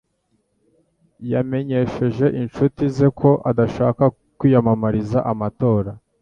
Yamenyesheje inshuti ze ko adashaka kwiyamamariza amatora.